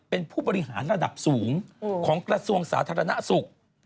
เป็นผู้บริหารระดับสูงของกระทรวงสาธารณสุข